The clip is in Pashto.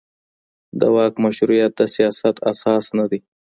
د واک مشروعيت د سياست اساس نه دی؟